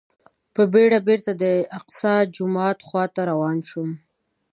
په بېړه بېرته د الاقصی جومات خواته روان شوم.